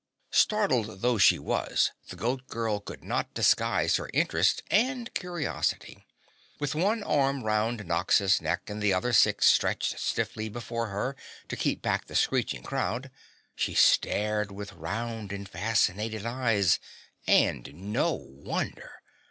Startled though she was, the Goat Girl could not disguise her interest and curiosity. With one arm round Nox's neck and the other six stretched stiffly before her to keep back the screeching crowd, she stared with round and fascinated eyes. And, no wonder!